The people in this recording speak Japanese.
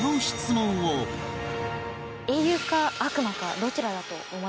英雄か悪魔かどちらだと思いますか？